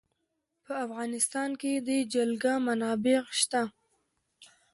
په افغانستان کې د جلګه منابع شته.